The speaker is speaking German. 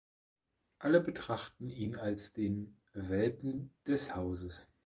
Alle betrachten ihn als den ‚Welpen‘ des Hauses.